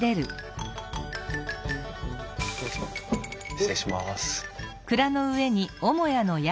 失礼します。